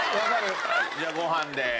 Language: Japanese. じゃあご飯で。